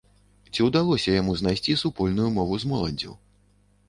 Ці ўдалося яму знайсці супольную мову з моладдзю?